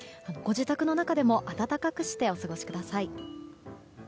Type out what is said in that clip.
ご自宅の中でも暖かくしてお過ごしください。